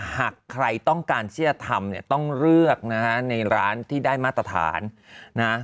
หากใครต้องการเชื่อธรรมต้องเลือกในร้านที่ได้มาตรฐาน